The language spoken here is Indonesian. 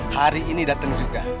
hari ini datang juga